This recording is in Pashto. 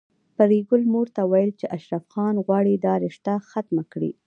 پري ګلې مور ته ويل چې اشرف خان غواړي دا رشته ختمه کړي